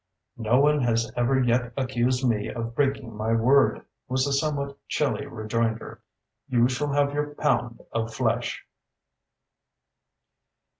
"No one has ever yet accused me of breaking my word," was the somewhat chilly rejoinder. "You shall have your pound of flesh."